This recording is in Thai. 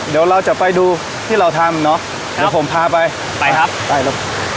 เดี๋ยวเราจะไปดูที่เราทำเนอะเดี๋ยวผมพาไปไปครับไปครับ